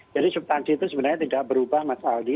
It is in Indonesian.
jadi substansi itu sebenarnya tidak berubah mas aldi